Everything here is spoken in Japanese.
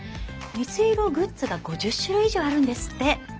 水色グッズが５０種類以上あるんですって。